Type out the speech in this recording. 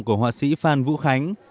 của họa sĩ phan vũ khánh